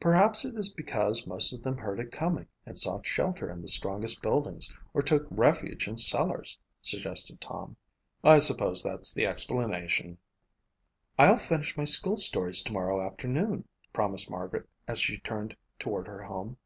"Perhaps it is because most of them heard it coming and sought shelter in the strongest buildings or took refuge in cellars," suggested Tom. "I suppose that's the explanation." "I'll finish my school stories tomorrow afternoon," promised Margaret as she turned toward her home.